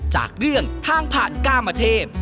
จากเรื่องทางผ่านกามเทพ